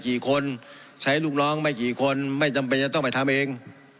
กี่คนใช้ลูกน้องไม่กี่คนไม่จำเป็นจะต้องไปทำเอง